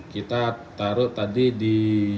kita taruh tadi di